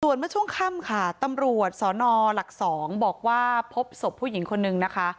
ส่วนเมื่อช่วงค่ำค่ะตำรวจสนหลัก๒บอกว่าพบศพผู้หญิงคนนึงนะคะ